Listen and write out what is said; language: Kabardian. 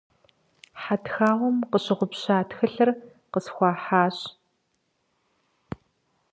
Хьэтхауэм къыщыгъупща тхылъыр къысхуахьащ.